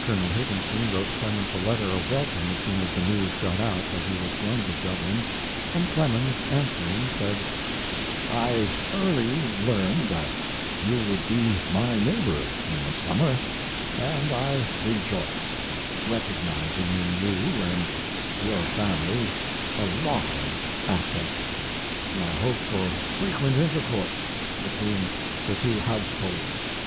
Colonel Higginson wrote Clemens a letter of welcome as soon as the news got out that he was going to Dublin; and Clemens, answering, said: I early learned that you would be my neighbor in the summer & I rejoiced, recognizing in you & your family a large asset. I hope for frequent intercourse between the two households.